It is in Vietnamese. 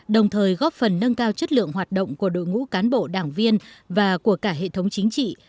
đồng thời góp phần nâng cao chất lượng hoạt động của đội ngũ cán bộ đảng viên và của cả hệ thống chính trị